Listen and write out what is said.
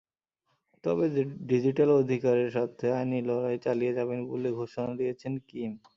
তবে ডিজিটাল অধিকারের স্বার্থে আইনি লড়াই চালিয়ে যাবেন বলে ঘোষণা দিয়েছেন কিম।